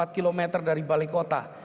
empat km dari balai kota